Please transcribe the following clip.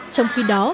trong khi đó